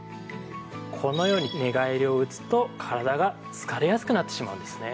このように寝返りを打つと体が疲れやすくなってしまうんですね。